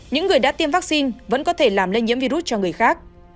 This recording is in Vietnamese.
những người đã tiêm vaccine vẫn có thể làm lây nhiễm virus cho người khác